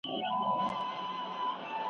جهاني دلته یو رنګي ده د کېمیا په بیه